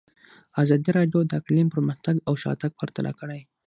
ازادي راډیو د اقلیم پرمختګ او شاتګ پرتله کړی.